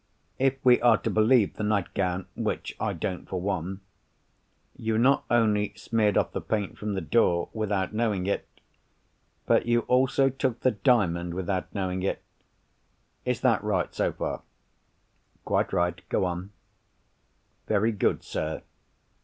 If we are to believe the nightgown—which I don't for one—you not only smeared off the paint from the door, without knowing it, but you also took the Diamond without knowing it. Is that right, so far?" "Quite right. Go on." "Very good, sir.